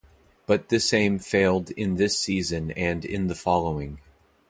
But this aim failed in this season and in the following.